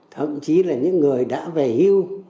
thậm chí là những người đã về hưu